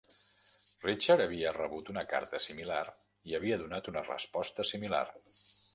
Richard havia rebut una carta similar i havia donat una resposta similar.